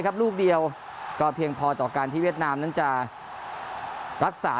ลูกเดียวก็เพียงพอต่อการที่เวียดนามนั้นจะรักษา